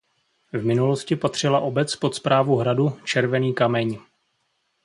V minulosti patřila obec pod správu hradu Červený Kameň.